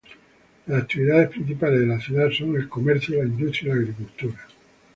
Las actividades principales de la ciudad son el comercio, la industria y la agricultura.